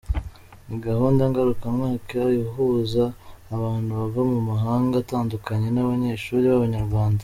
Ni gahunda ngaruka mwaka ihuza abantu bava mu mahanga atandukanye n’abanyeshuli b’abanyarwanda.